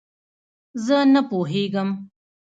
زۀ نۀ پوهېږم.